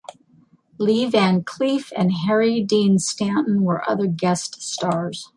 Lee Van Cleef and Harry Dean Stanton were other guest stars.